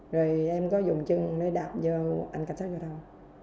rồi em có dùng chân để đạp vô anh cảnh sát vô đâu